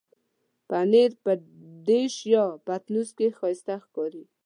پنېر په ډش یا پتنوس کې ښايسته ښکاري.